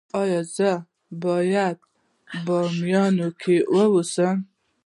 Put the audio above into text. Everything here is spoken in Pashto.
ایا زه باید په بامیان کې اوسم؟